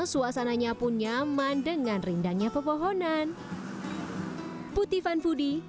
suasananya pun nyaman dengan rindangnya pepohonan